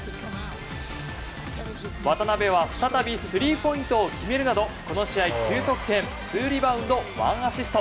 渡邊は再びスリーポイントを決めるなどこの試合、９得点２リバウンド１アシスト。